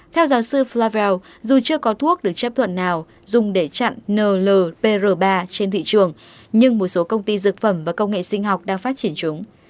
theo giáo sư flel dù chưa có thuốc được chấp thuận nào dùng để chặn nl pr ba trên thị trường nhưng một số công ty dược phẩm và công nghệ sinh học đang phát triển chúng